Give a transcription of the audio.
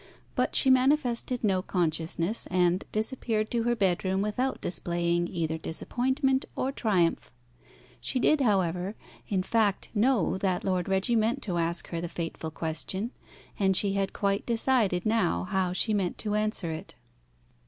But she manifested no consciousness, and disappeared to her bedroom without displaying either disappointment or triumph. She did, however, in fact know that Lord Reggie meant to ask her the fateful question, and she had quite decided now how she meant to answer it.